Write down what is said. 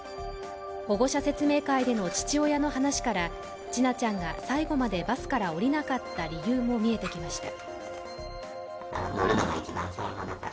保護者説明会での父親の話から千奈ちゃんが最後までバスから降りなかった理由も見えてきました。